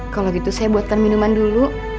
kalau gitu saya buatkan minuman dulu